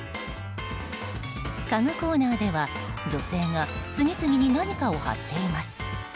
家具コーナーでは女性が次々に何かを貼っています。